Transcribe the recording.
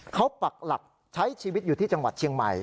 เขาปักหลักใช้ชีวิตอยู่ที่จังหวัดเชียงใหม่